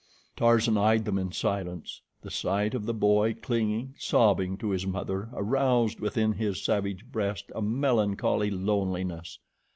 Tarzan eyed them in silence. The sight of the boy clinging, sobbing, to his mother aroused within his savage breast a melancholy loneliness.